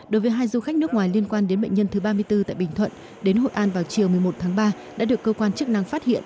đối với hai du khách nước ngoài liên quan đến bệnh nhân thứ ba mươi bốn tại bình thuận đến hội an vào chiều một mươi một tháng ba đã được cơ quan chức năng phát hiện